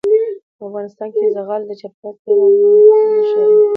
افغانستان کې زغال د چاپېریال د تغیر نښه ده.